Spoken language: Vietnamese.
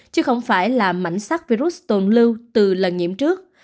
chứ không phải là mảnh sắc virus tồn lưu từ lần nhiễm trước